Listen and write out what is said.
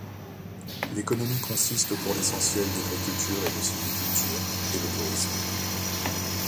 L'économie consiste pour l'essentiel d'agriculture et de sylviculture, et le tourisme.